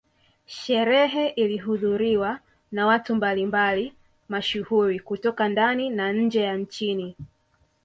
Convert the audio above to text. Sherehe ilihudhuriwa na watu mbali mbali mashuhuri kutoka ndani na nje ya nchini